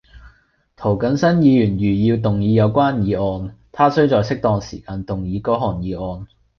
涂謹申議員如要動議有關議案，他須在適當時間動議該項議案